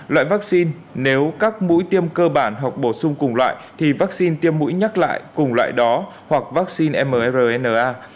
loại vaccine nếu các mũi tiêm cơ bản hoặc bổ sung cùng loại thì vaccine tiêm mũi nhắc lại cùng loại đó hoặc vaccine mrna